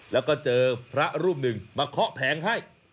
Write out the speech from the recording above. แล้วก็เจอพระรูปหนึ่งมาเคาะแผงให้